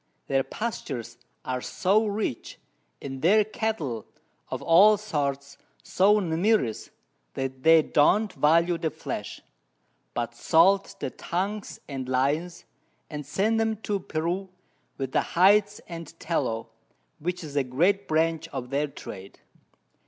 Their Pastures are so rich, and their Cattle of all sorts so numerous, that they don't value the Flesh, but salt the Tongues and Loins, and send 'em to Peru with the Hides and Tallow, which is a great Branch of their Trade.